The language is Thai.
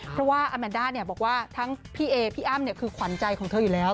เพราะว่าอาแมนด้าบอกว่าทั้งพี่เอพี่อ้ำคือขวัญใจของเธออยู่แล้ว